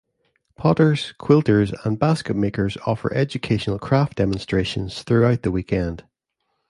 Potters, quilters, and basketmakers offer educational craft demonstrations throughout the weekend.